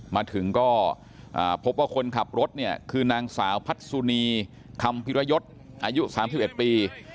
มาถึงก็พบว่าคนขับรถเนี่ยคือนางสาวพัฒสุนีคำพิรยศอายุ๓๑ปี